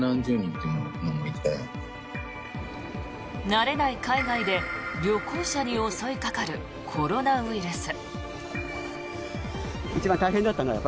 慣れない海外で旅行者に襲いかかるコロナウイルス。